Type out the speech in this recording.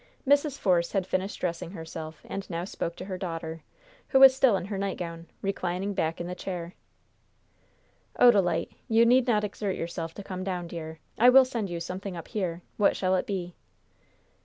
Mrs. Force had finished dressing herself, and now spoke to her daughter, who was still in her nightgown, reclining back in the chair. "Odalite, you need not exert yourself to come down, dear. I will send you something up here. What shall it be?"